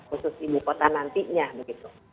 khusus ibu kota nantinya begitu